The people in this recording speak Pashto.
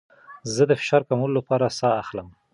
زه د فشار کمولو لپاره ساه اخلم.